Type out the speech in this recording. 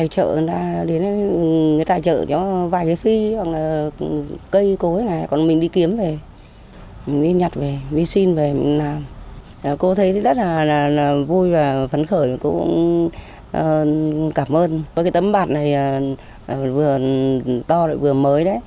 tấm bạt này vừa to vừa mới